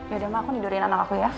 yaudah mah aku tidurin anak aku ya